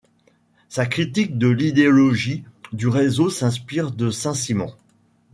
Sa critique de l'idéologie du réseau s'inspire de Saint-Simon.